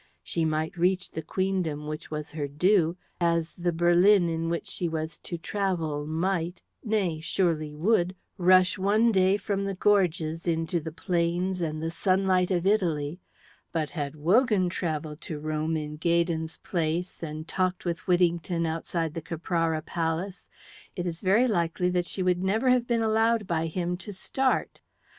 She might reach the queendom which was her due, as the berlin in which she was to travel might nay, surely would rush one day from the gorges into the plains and the sunlight of Italy; but had Wogan travelled to Rome in Gaydon's place and talked with Whittington outside the Caprara Palace, it is very likely that she would never have been allowed by him to start.